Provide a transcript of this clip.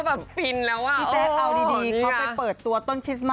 ไม่รู้จะโพสต์ท่าอะไรค่ะ